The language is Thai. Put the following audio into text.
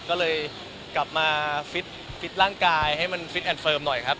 ก็เลยกลับมาฟิตร่างกายให้มันฟิตแอนดเฟิร์มหน่อยครับ